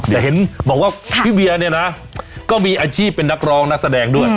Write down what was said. เห็นบอกว่าพี่เวียเนี่ยนะก็มีอาชีพเป็นนักร้องนักแสดงด้วย